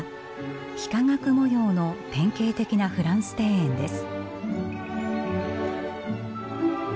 幾何学模様の典型的なフランス庭園です。